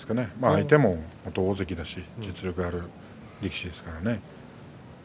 相手も元大関だし実力がある力士ですからね。